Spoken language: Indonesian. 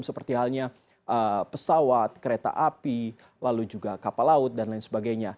seperti halnya pesawat kereta api lalu juga kapal laut dan lain sebagainya